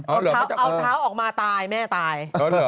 เอาเท้าออกมาตายแม่ตาย